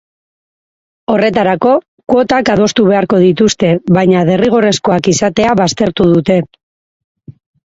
Horretarako, kuotak adostu beharko dituzte, baina derrigorrezkoak izatea baztertu dute.